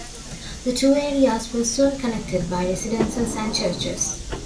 The two areas were soon connected by residences and churches.